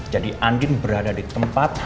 jadi andin berada di tempat